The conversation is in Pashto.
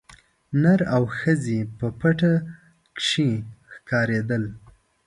نر او ښځي په پټو کښي ښکارېدل